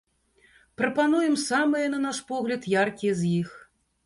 Прапануем самыя, на наш погляд, яркія з іх.